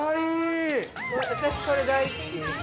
◆私、これ大好き。